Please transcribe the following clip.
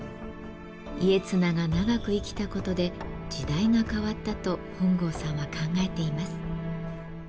家綱が長く生きたことで時代が変わったと本郷さんは考えています。